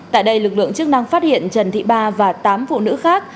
tại đây lực lượng chức năng phát hiện trần thị ba và tám phụ nữ khác